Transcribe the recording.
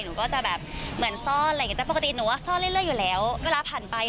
หนูก็จะแบบเหมือนซ่อนอะไรอย่างนี้แต่ปกติหนูว่าซ่อนเรื่อยอยู่แล้วเวลาผ่านไป